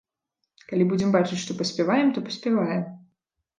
Калі будзем бачыць, што паспяваем, то паспяваем.